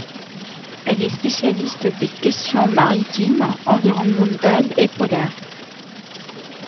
Elle est spécialiste des questions maritimes, environnementales et polaires.